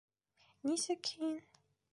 Нисек һин...